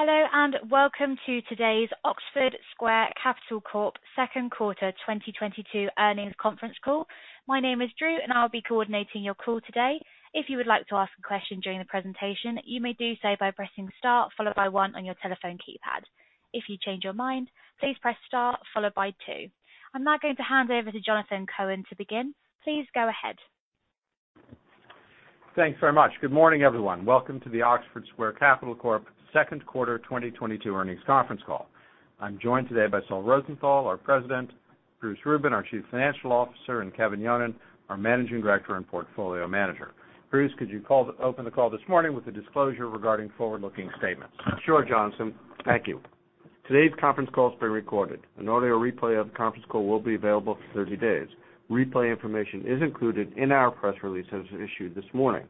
Hello, and welcome to today's Oxford Square Capital Corp. second quarter 2022 earnings conference call. My name is Drew, and I'll be coordinating your call today. If you would like to ask a question during the presentation, you may do so by pressing star followed by one on your telephone keypad. If you change your mind, please press star followed by two. I'm now going to hand over to Jonathan Cohen to begin. Please go ahead. Thanks very much. Good morning, everyone. Welcome to the Oxford Square Capital Corp. second quarter 2022 earnings conference call. I'm joined today by Sol Rosenthal, our President, Bruce Rubin, our Chief Financial Officer, and Kevin Yonan, our Managing Director and Portfolio Manager. Bruce, could you open the call this morning with the disclosure regarding forward-looking statements? Sure, Jonathan. Thank you. Today's conference call is being recorded. An audio replay of the conference call will be available for 30 days. Replay information is included in our press release as issued this morning.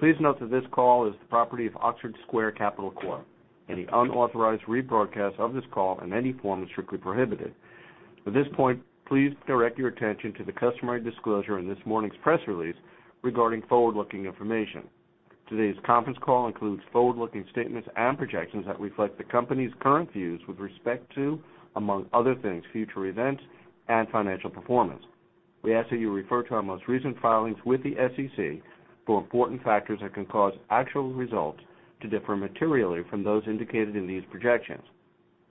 Please note that this call is the property of Oxford Square Capital Corp. Any unauthorized rebroadcast of this call in any form is strictly prohibited. At this point, please direct your attention to the customary disclosure in this morning's press release regarding forward-looking information. Today's conference call includes forward-looking statements and projections that reflect the company's current views with respect to, among other things, future events and financial performance. We ask that you refer to our most recent filings with the SEC for important factors that can cause actual results to differ materially from those indicated in these projections.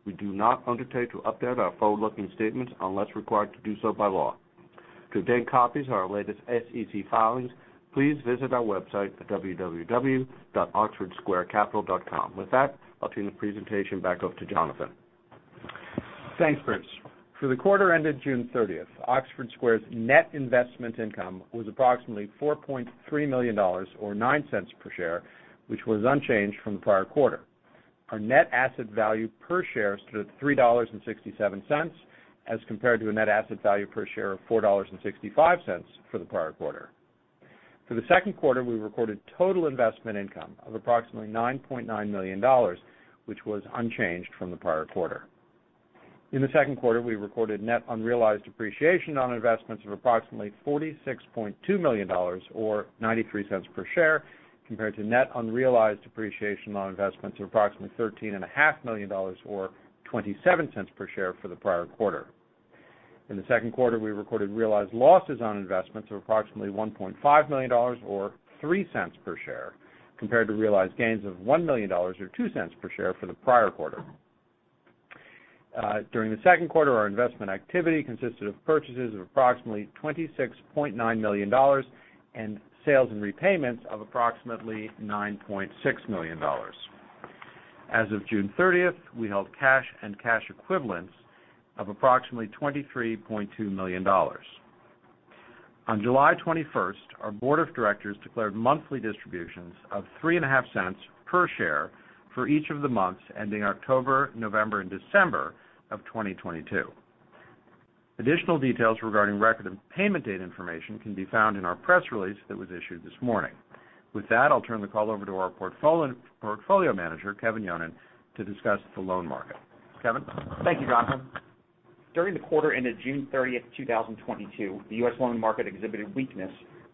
We do not undertake to update our forward-looking statements unless required to do so by law. To obtain copies of our latest SEC filings, please visit our website at www.oxfordsquarecapital.com. With that, I'll turn the presentation back over to Jonathan. Thanks, Bruce. For the quarter ended June thirtieth, Oxford Square's net investment income was approximately $4.3 million or $0.09 per share, which was unchanged from the prior quarter. Our net asset value per share stood at $3.67, as compared to a net asset value per share of $4.65 for the prior quarter. For the second quarter, we recorded total investment income of approximately $9.9 million, which was unchanged from the prior quarter. In the second quarter, we recorded net unrealized appreciation on investments of approximately $46.2 million or $0.93 per share, compared to net unrealized appreciation on investments of approximately $13.5 million or $0.27 per share for the prior quarter. In the second quarter, we recorded realized losses on investments of approximately $1.5 million or $0.03 per share, compared to realized gains of $1 million or $0.02 per share for the prior quarter. During the second quarter, our investment activity consisted of purchases of approximately $26.9 million and sales and repayments of approximately $9.6 million. As of June 30th, we held cash and cash equivalents of approximately $23.2 million. On July 21st, our board of directors declared monthly distributions of $0.035 per share for each of the months ending October, November, and December of 2022. Additional details regarding record and payment date information can be found in our press release that was issued this morning. With that, I'll turn the call over to our portfolio manager, Kevin Yonon, to discuss the loan market. Kevin. Thank you, Jonathan. During the quarter ended June 30th, 2022, the U.S. loan market exhibited weakness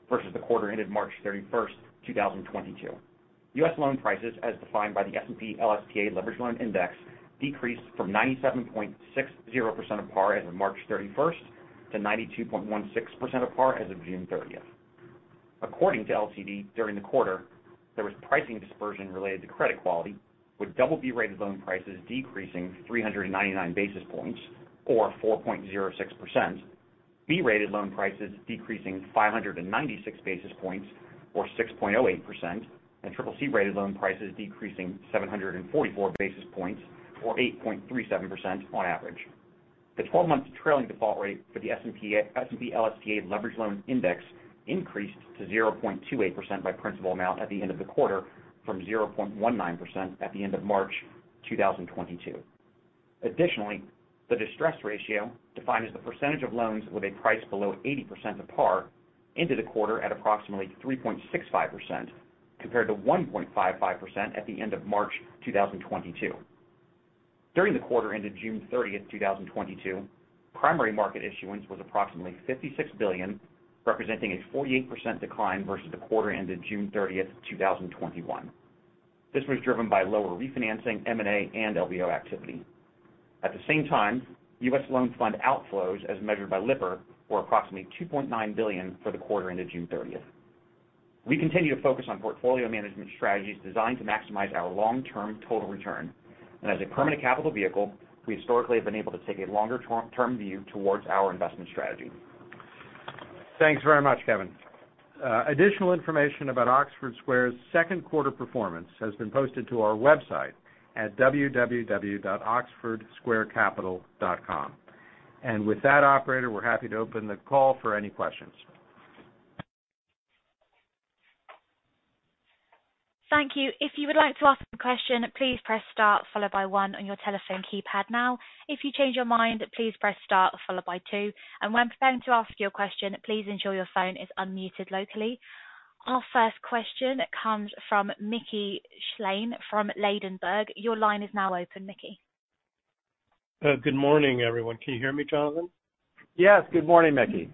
versus the quarter ended March 31st, 2022. U.S. loan prices, as defined by the S&P/LSTA Leveraged Loan Index, decreased from 97.60% of par as of March 31st to 92.16% of par as of June 30th. According to LCD, during the quarter, there was pricing dispersion related to credit quality, with double B-rated loan prices decreasing 399 basis points or 4.06%. B-rated loan prices decreasing 596 basis points or 6.08%. Triple C-rated loan prices decreasing 744 basis points or 8.37% on average. The 12-month trailing default rate for the S&P/LSTA Leveraged Loan Index increased to 0.28% by principal amount at the end of the quarter from 0.19% at the end of March 2022. Additionally, the distress ratio, defined as the percentage of loans with a price below 80% of par, ended the quarter at approximately 3.65% compared to 1.55% at the end of March 2022. During the quarter ended June 30th, 2022, primary market issuance was approximately $56 billion, representing a 48% decline versus the quarter ended June 30th, 2021. This was driven by lower refinancing, M&A, and LBO activity. At the same time, U.S. loan fund outflows, as measured by Lipper, were approximately $2.9 billion for the quarter ended June 30th. We continue to focus on portfolio management strategies designed to maximize our long-term total return. As a permanent capital vehicle, we historically have been able to take a longer term view towards our investment strategy. Thanks very much, Kevin. Additional information about Oxford Square's second quarter performance has been posted to our website at www.oxfordsquarecapital.com. With that, operator, we're happy to open the call for any questions. Thank you. If you would like to ask a question, please press star followed by one on your telephone keypad now. If you change your mind, please press star followed by two. When preparing to ask your question, please ensure your phone is unmuted locally. Our first question comes from Mickey Schleien from Ladenburg. Your line is now open, Mickey. Good morning, everyone. Can you hear me, Jonathan? Yes. Good morning, Mickey.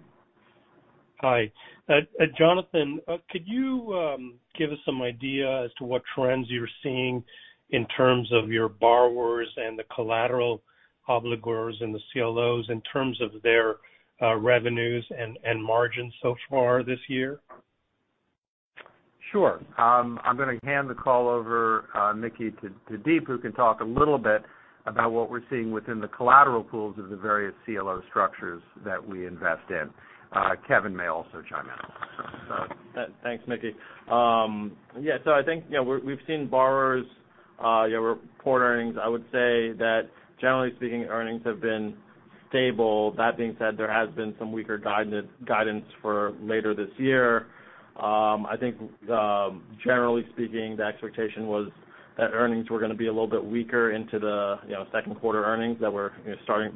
Hi. Jonathan, could you give us some idea as to what trends you're seeing in terms of your borrowers and the collateral obligors and the CLOs in terms of their revenues and margins so far this year? Sure. I'm gonna hand the call over, Mickey to Deep, who can talk a little bit about what we're seeing within the collateral pools of the various CLO structures that we invest in. Kevin may also chime in. Thanks, Mickey. Yeah, so I think, you know, we've seen borrowers you know report earnings. I would say that generally speaking, earnings have been stable. That being said, there has been some weaker guidance for later this year. I think, generally speaking, the expectation was that earnings were gonna be a little bit weaker into the, you know, second quarter earnings that are starting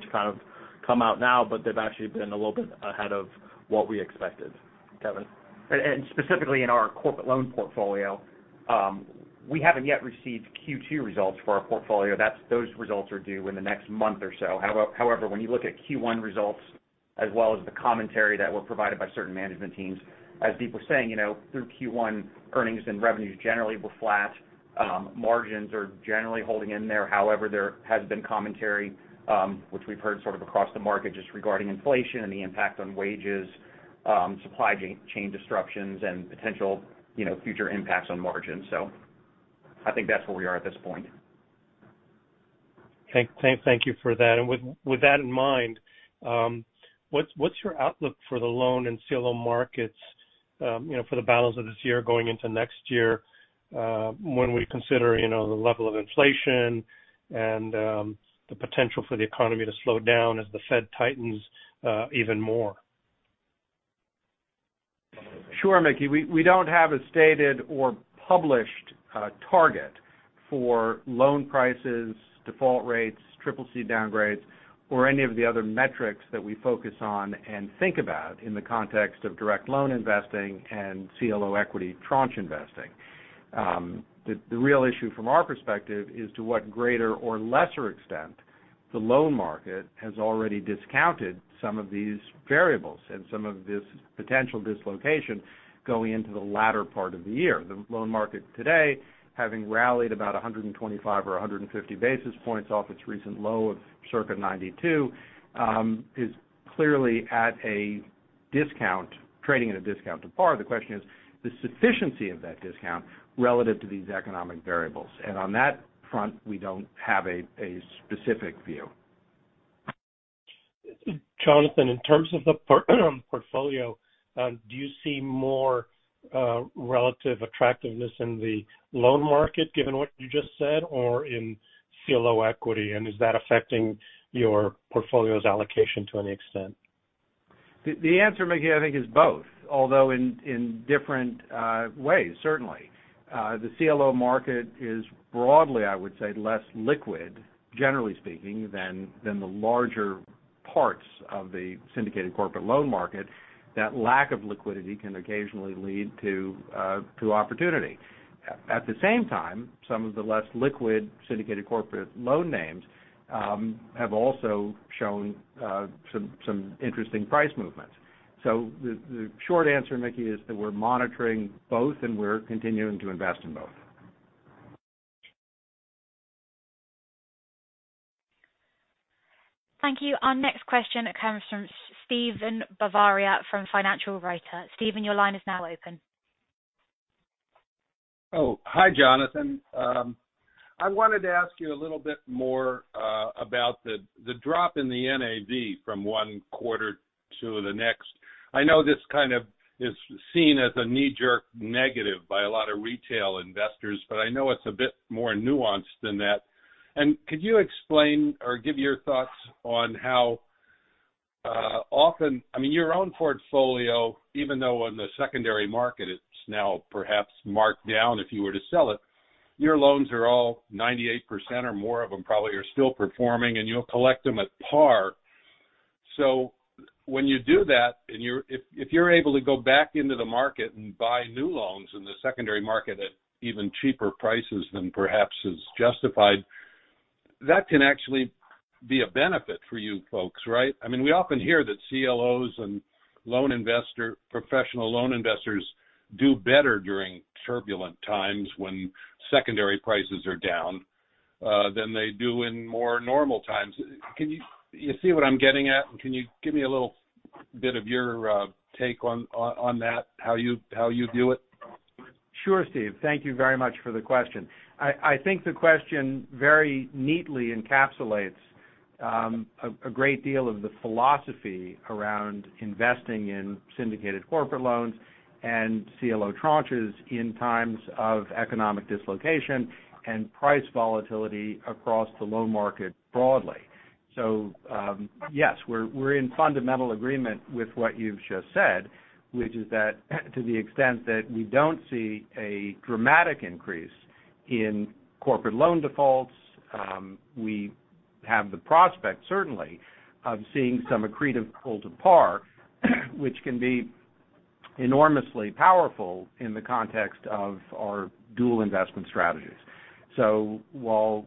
to kind of come out now, but they've actually been a little bit ahead of what we expected. Kevin. Specifically in our corporate loan portfolio, we haven't yet received Q2 results for our portfolio. Those results are due in the next month or so. However, when you look at Q1 results as well as the commentary that were provided by certain management teams, as Deep was saying, you know, through Q1, earnings and revenues generally were flat. Margins are generally holding in there. However, there has been commentary, which we've heard sort of across the market just regarding inflation and the impact on wages, supply chain disruptions and potential, you know, future impacts on margins. I think that's where we are at this point. Thank you for that. With that in mind, what's your outlook for the loan and CLO markets, you know, for the balance of this year going into next year, when we consider, you know, the level of inflation and, the potential for the economy to slow down as the Fed tightens, even more? Sure, Mickey. We don't have a stated or published target for loan prices, default rates, CCC downgrades, or any of the other metrics that we focus on and think about in the context of direct loan investing and CLO equity tranche investing. The real issue from our perspective is to what greater or lesser extent the loan market has already discounted some of these variables and some of this potential dislocation going into the latter part of the year. The loan market today, having rallied about 125 or 150 basis points off its recent low of circa 92, is clearly at a discount, trading at a discount to par. The question is the sufficiency of that discount relative to these economic variables. On that front, we don't have a specific view. Jonathan, in terms of the portfolio, do you see more relative attractiveness in the loan market, given what you just said or in CLO equity, and is that affecting your portfolio's allocation to any extent? The answer, Mickey, I think, is both, although in different ways, certainly. The CLO market is broadly, I would say, less liquid, generally speaking, than the larger parts of the syndicated corporate loan market. That lack of liquidity can occasionally lead to opportunity. At the same time, some of the less liquid syndicated corporate loan names have also shown some interesting price movements. The short answer, Mickey, is that we're monitoring both, and we're continuing to invest in both. Thank you. Our next question comes from Steven Bavaria from Financial Writer. Steven, your line is now open. Oh, hi, Jonathan. I wanted to ask you a little bit more about the drop in the NAV from one quarter to the next. I know this kind of is seen as a knee-jerk negative by a lot of retail investors, but I know it's a bit more nuanced than that. Could you explain or give your thoughts on how often, I mean, your own portfolio, even though on the secondary market, it's now perhaps marked down if you were to sell it, your loans are all 98% or more of them probably are still performing, and you'll collect them at par. When you do that and if you're able to go back into the market and buy new loans in the secondary market at even cheaper prices than perhaps is justified, that can actually be a benefit for you folks, right? I mean, we often hear that CLOs and professional loan investors do better during turbulent times when secondary prices are down, than they do in more normal times. You see what I'm getting at? Can you give me a little bit of your take on that, how you view it? Sure, Steve. Thank you very much for the question. I think the question very neatly encapsulates a great deal of the philosophy around investing in syndicated corporate loans and CLO tranches in times of economic dislocation and price volatility across the loan market broadly. Yes, we're in fundamental agreement with what you've just said, which is that to the extent that we don't see a dramatic increase in corporate loan defaults, we have the prospect certainly of seeing some accretive pull to par, which can be enormously powerful in the context of our dual investment strategies. While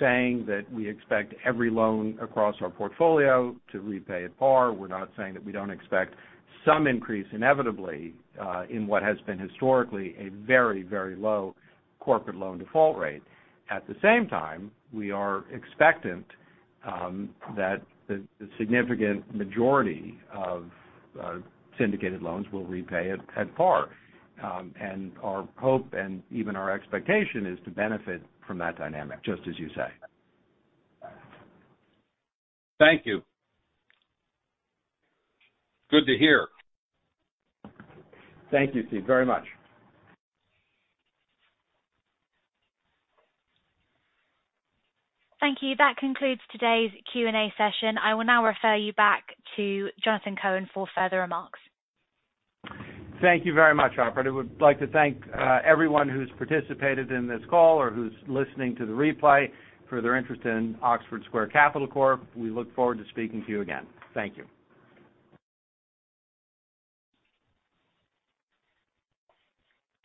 we're not saying that we expect every loan across our portfolio to repay at par, we're not saying that we don't expect some increase inevitably in what has been historically a very, very low corporate loan default rate. At the same time, we are expecting that the significant majority of syndicated loans will repay at par. Our hope and even our expectation is to benefit from that dynamic, just as you say. Thank you. Good to hear. Thank you, Steve, very much. Thank you. That concludes today's Q&A session. I will now refer you back to Jonathan Cohen for further remarks. Thank you very much, Alfreda. I would like to thank everyone who's participated in this call or who's listening to the replay for their interest in Oxford Square Capital Corp. We look forward to speaking to you again. Thank you.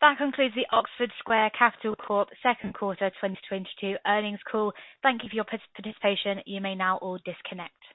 That concludes the Oxford Square Capital Corp. second quarter 2022 earnings call. Thank you for your participation. You may now all disconnect.